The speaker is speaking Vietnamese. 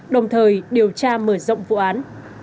đồng thời điều tra mở rộng vụ án